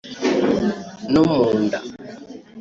no mu nda